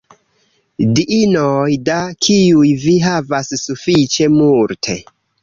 Diinoj, da kiuj vi havas sufiĉe multe.